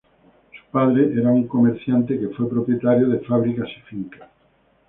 Su padre era un comerciante que fue propietario de fábricas y fincas.